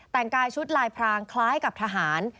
แต่งกายชุดลายพรางคล้ายกับทหาร